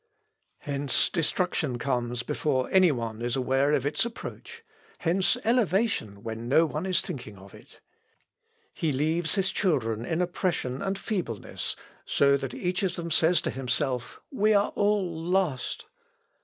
Hence destruction comes before any one is aware of its approach; hence elevation, when no one is thinking of it. He leaves his children in oppression and feebleness, so that each of them says to himself, 'We are all lost!'